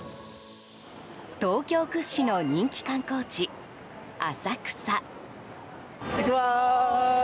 東京屈指の人気観光地・浅草。